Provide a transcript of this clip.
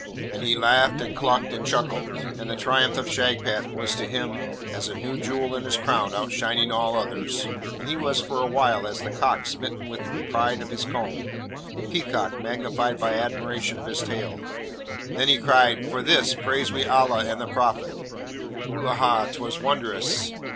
And he laughed and clucked and chuckled, and the triumph of Shagpat was to him as a new jewel in his crown outshining all others, and he was for awhile as the cock smitten with the pride of his comb, the peacock magnified by admiration of his tail. Then he cried, 'For this, praise we Allah and the Prophet. Wullahy, 'twas wondrous!'